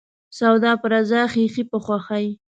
سوداپه رضا ، خيښي په خوښي.